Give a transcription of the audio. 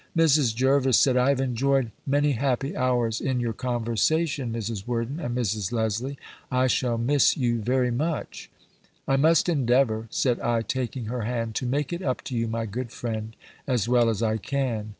Mrs. Jervis said, "I have enjoyed many happy hours in your conversation, Mrs. Worden and Mrs. Lesley: I shall miss you very much." "I must endeavour," said I, taking her hand, "to make it up to you, my good friend, as well as I can.